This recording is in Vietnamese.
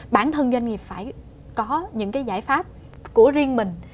bản thân doanh nghiệp phải có những cái giải pháp của riêng mình